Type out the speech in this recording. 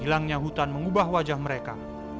hilangnya hutan mengubah wajah mereka